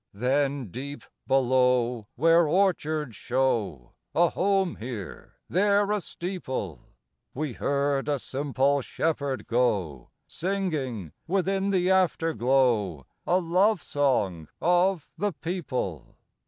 Then deep below, where orchards show A home here, there a steeple, We heard a simple shepherd go, Singing, within the afterglow, A love song of the people.